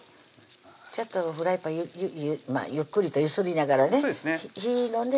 ちょっとフライパンゆっくりと揺すりながらねそうですね